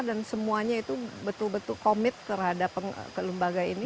dan semuanya itu betul betul komit terhadap kelembaga ini